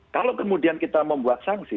kalau kemudian kita membuat sanksi